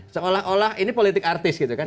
seolah olah ini politik artis gitu kan